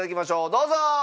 どうぞ！